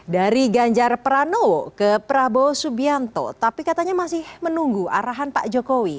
dari ganjar pranowo ke prabowo subianto tapi katanya masih menunggu arahan pak jokowi